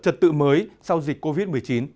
trật tự mới sau dịch covid một mươi chín